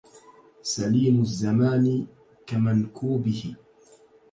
سليم الزمان كمنكوبه